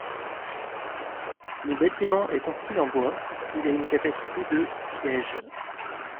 Le bâtiment est construit en bois, il a une capacité de sièges.